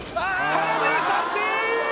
空振り三振！